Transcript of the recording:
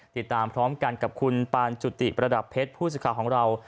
ติดตามพร้อมกันกับคุณปานจุติประดับเพชรผู้สื่อข่าวของเรา